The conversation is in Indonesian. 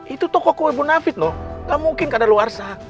itu toko kue ibu navid loh gak mungkin kadang luar sa